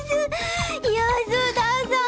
安田さん！